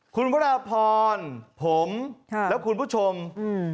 คุณวราพรผมค่ะแล้วคุณผู้ชมอืม